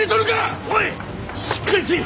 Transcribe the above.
しっかりせい。